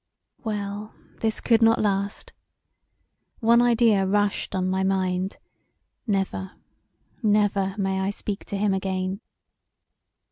Well, this could not last. One idea rushed on my mind; never, never may I speak to him again.